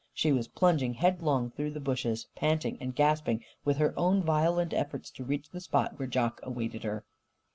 She was plunging headlong through the bushes, panting and gasping with her own violent efforts to reach the spot where Jock awaited her.